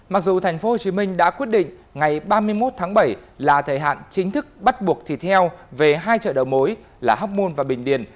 mặc dù tp hcm đã quyết định ngày ba mươi một tháng bảy là thời hạn chính thức bắt buộc thịt heo về hai chợ đầu mối là hóc môn và bình điền